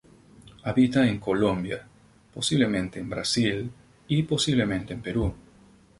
Habita en Colombia, posiblemente en Brasil y posiblemente en Perú.